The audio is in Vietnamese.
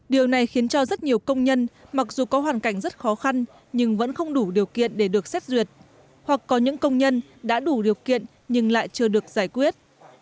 điều này khiến cho rất nhiều công nhân mặc dù có hoàn cảnh rất khó khăn nhưng vẫn không đủ điều kiện để được xét duyệt hoặc có những công nhân đã đủ điều kiện nhưng lại chưa được giải quyết